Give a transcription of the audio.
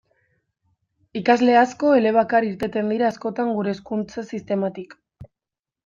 Ikasle asko elebakar irteten dira askotan gure hezkuntza sistematik.